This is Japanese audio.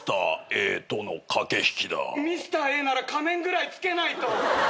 ミスターＡなら仮面ぐらいつけないと！